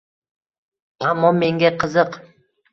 Аmmo menga qiziq: